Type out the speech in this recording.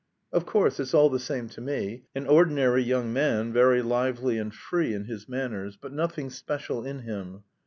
Of course, it's all the same to me. An ordinary young man, very lively and free in his manners, but nothing special in him.